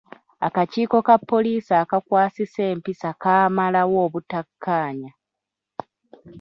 Akakiiko ka poliisi akakwasisa empisa kaamalawo obutakkaanya.